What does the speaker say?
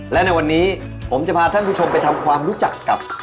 และในวันนี้ผมจะพาท่านผู้ชมไปทำความรู้จักกับ